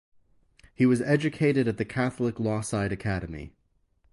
He was educated at the Catholic Lawside Academy.